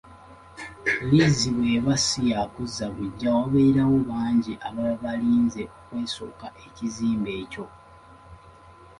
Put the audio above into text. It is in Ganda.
Liizi bw'eba siyaakuzza buggya wabeerawo bangi ababa balinze okwesooka ekizimbe kyo.